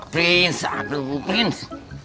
prins aduh prins